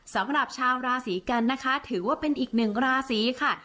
สำหรับชาวราศีกันนะคะถือว่าเป็นอีกหนึ่งราศีค่ะ